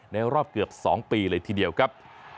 รอบเกือบ๒ปีเลยทีเดียวครับ